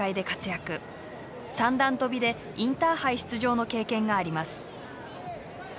三段跳びでインターハイ出場の経験があります。